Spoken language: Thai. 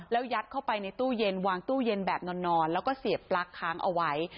แล้วยัดเข้าไปในตู้เย็นวางตู้เย็นแบบนอนแล้วก็เสียบปลั๊กค้างเอาไว้